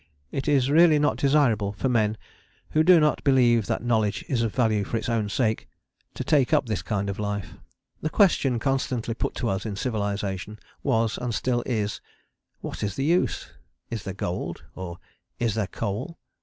It is really not desirable for men who do not believe that knowledge is of value for its own sake to take up this kind of life. The question constantly put to us in civilization was and still is: "What is the use? Is there gold? or Is there coal?"